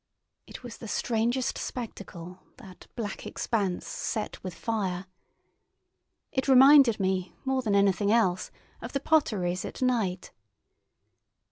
It was the strangest spectacle, that black expanse set with fire. It reminded me, more than anything else, of the Potteries at night.